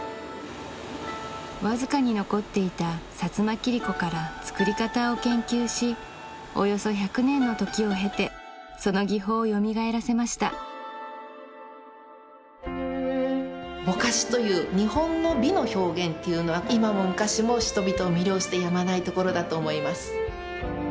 わずかに残っていた薩摩切子から作り方を研究しおよそ１００年の時を経てその技法をよみがえらせましたぼかしという日本の美の表現っていうのは今も昔も人々を魅了してやまないところだと思います